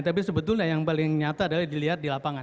tapi sebetulnya yang paling nyata adalah dilihat di lapangan